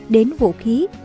đến vũ khí